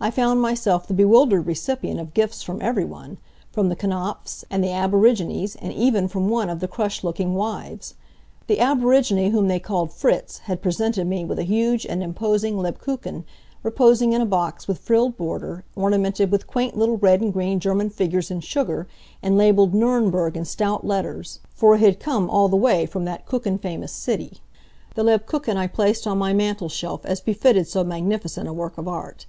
I found myself the bewildered recipient of gifts from everyone from the Knapfs, and the aborigines and even from one of the crushed looking wives. The aborigine whom they called Fritz had presented me with a huge and imposing Lebkuchen, reposing in a box with frilled border, ornamented with quaint little red and green German figures in sugar, and labeled Nurnberg in stout letters, for it had come all the way from that kuchen famous city. The Lebkuchen I placed on my mantel shelf as befitted so magnificent a work of art.